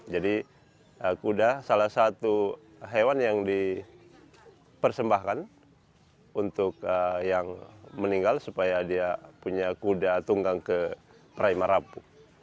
jadi kuda salah satu hewan yang dipersembahkan untuk yang meninggal supaya dia punya kuda tunggang ke perema rapu